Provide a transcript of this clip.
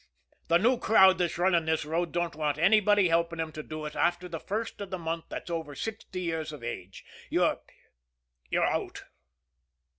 The new crowd that's running this road don't want anybody helping 'em to do it after the first of the month that's over sixty years of age. You're you're out."